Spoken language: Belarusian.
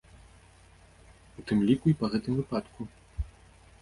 У тым ліку і па гэтым выпадку.